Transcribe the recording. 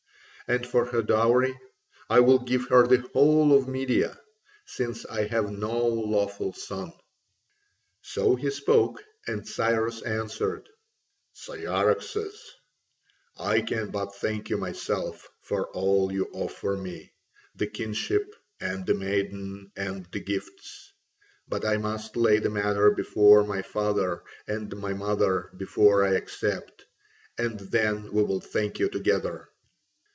And for her dowry I will give her the whole of Media: since I have no lawful son." So he spoke, and Cyrus answered: "Cyaxares, I can but thank you myself for all you offer me, the kinship and the maiden and the gifts, but I must lay the matter before my father and my mother before I accept, and then we will thank you together."